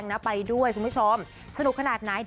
โอเคโอเค